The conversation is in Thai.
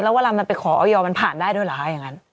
แล้วเวลามันไปขอออยอร์มันผ่านได้ด้วยเหรอค่ะ